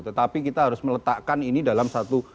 tetapi kita harus meletakkan ini dalam satu